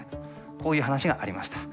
こういう話がありました。